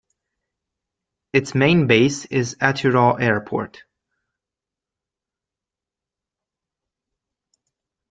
Its main base is Atyrau Airport.